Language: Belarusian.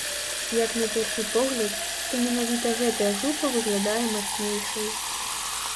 Як на першы погляд, то менавіта гэтая група выглядае мацнейшай.